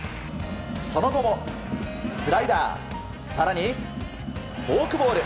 その後も、スライダー更にフォークボール。